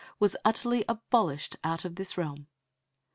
was utterly abolished out of this realm."